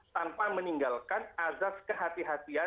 tanpa meninggalkan azas kehatian kehatian